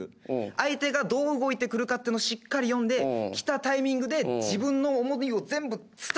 相手がどう動いてくるかっていうのをしっかり読んで来たタイミングで自分の思いを全部伝えるのよ。